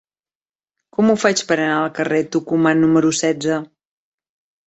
Com ho faig per anar al carrer de Tucumán número setze?